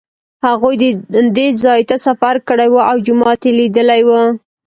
هغوی دې ځای ته سفر کړی و او جومات یې لیدلی و.